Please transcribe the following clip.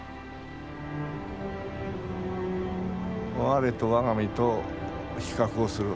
我と我が身と比較をする。